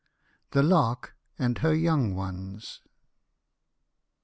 THE LARK AND HER YOUNG ONES.